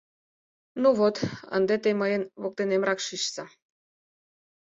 Ну вот, ынде те мейын воктенемрак шичса.